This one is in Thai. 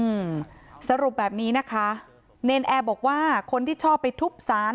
อืมสรุปแบบนี้นะคะเนรนแอร์บอกว่าคนที่ชอบไปทุบสาร